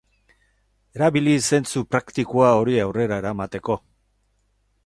Erabili zentzu praktikoa hori aurrera eramateko.